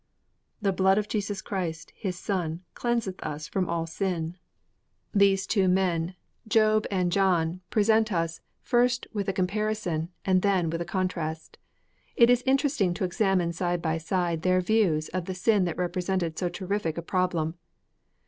_' 'The blood of Jesus Christ, His Son, cleanseth us from all sin!' III These two men Job and John present us, first with a comparison, and then with a contrast. It is interesting to examine side by side their views of the sin that represented so terrific a problem.